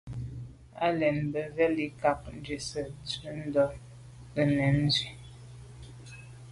Á lɛ̀ɛ́n mbə̄ mvɛ́lì à’cák gə̀jɔ̀ɔ́ŋ mjɛ́ɛ̀’də̄ nə̀sɔ̀ɔ́k tsə̂ ndzwə́.